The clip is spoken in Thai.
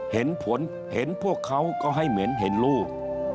เห็นผลเห็นพวกเขาก็ให้เหมือนเห็นลูก